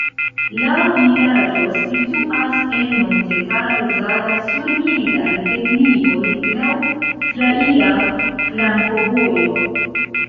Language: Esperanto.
La vilaĝo situas en Montetaro Zala sur mildaj deklivoj, laŭ traira flankovojo.